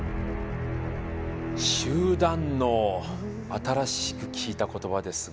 新しく聞いた言葉ですが。